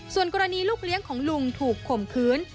ส่วนกรณีลูกเลี้ยงของลุงถูกข่มขืน